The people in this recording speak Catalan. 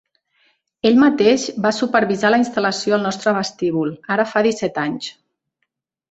Ell mateix va supervisar la instal·lació al nostre vestíbul, ara fa disset anys.